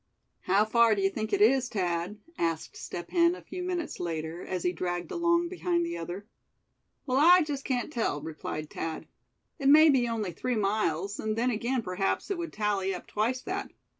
"How far d'ye think it is, Thad?" asked Step Hen a few minutes later, as he dragged along behind the other. "Well, I can't just tell," replied Thad. "It may be only three miles, and then again perhaps it would tally up twice that.